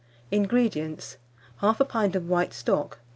INGREDIENTS. 1/2 pint of white stock, No.